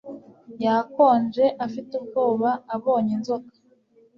Yakonje afite ubwoba abonye inzoka